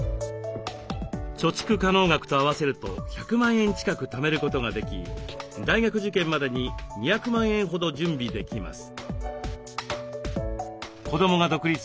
貯蓄可能額と合わせると１００万円近くためることができ大学受験までに２００万円ほど準備できます。